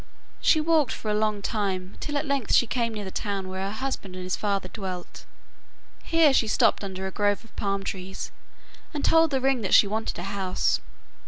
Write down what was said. She walked for a long time, till at length she came near the town where her husband and his father dwelt. Here she stopped under a grove of palm trees, and told the ring that she wanted a house.